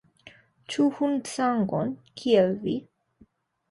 Ĉu hundsangon, kiel vi?